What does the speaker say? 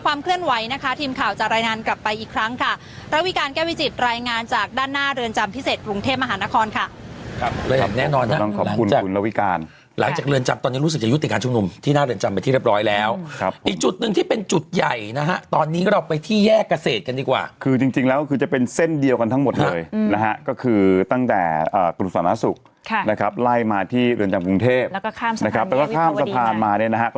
ขอบคุณคุณละวิการหลังจากเรือนจำตอนนี้รู้สึกจะยุทธิการชุมหนุ่มที่น่าเรือนจำไปที่เรียบร้อยแล้วครับอีกจุดหนึ่งที่เป็นจุดใหญ่นะฮะตอนนี้ก็เราไปที่แยกเกษตรกันดีกว่าคือจริงจริงแล้วคือจะเป็นเส้นเดียวกันทั้งหมดเลยนะฮะก็คือตั้งแต่อ่ากรุษภรรณสุขค่ะนะครับไล่มาที่เรือนจำก